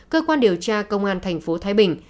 cơ quan điều tra công an thành phố thái bình